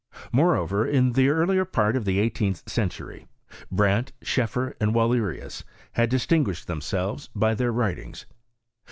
Moreover, in the earlier part of the eighteenth century, Brandt, SchefFer, and Wallerius, had dif tinguished themselves by their writings.